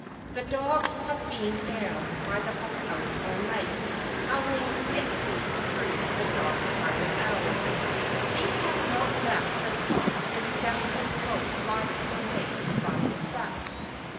The dog had been down by the boathouse all night, howling fitfully through the dark silent hours. He had not left the spot since Daphne's boat glided away from the steps.